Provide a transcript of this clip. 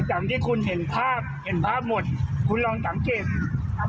อย่างที่คุณเห็นภาพเห็นภาพหมดคุณลองสังเกตครับ